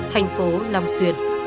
hành phố long xuyên